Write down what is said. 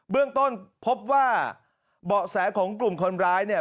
เรื่องต้นพบว่าเบาะแสของกลุ่มคนร้ายเนี่ย